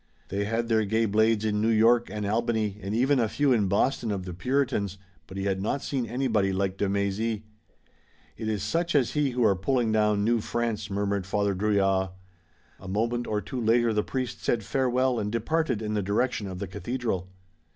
They had their gay blades in New York and Albany and even a few in Boston of the Puritans, but he had not seen anybody like de Mézy. "It is such as he who are pulling down New France," murmured Father Drouillard. A moment or two later the priest said farewell and departed in the direction of the cathedral.